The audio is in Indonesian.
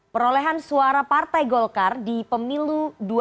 perolehan suara partai golkar di pemilu dua ribu sembilan belas